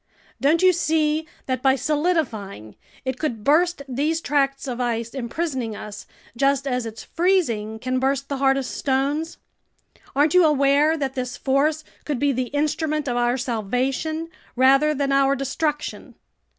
Don't you see that by solidifying, it could burst these tracts of ice imprisoning us, just as its freezing can burst the hardest stones? Aren't you aware that this force could be the instrument of our salvation rather than our destruction?"